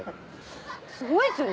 すごいですよね